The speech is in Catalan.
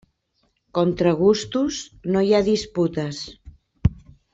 Contra gustos no hi ha disputes.